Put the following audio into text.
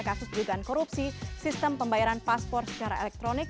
kasus dugaan korupsi sistem pembayaran paspor secara elektronik